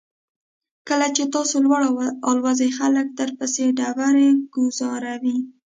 کله چې تاسو لوړ الوځئ خلک درپسې ډبرې ګوزاروي.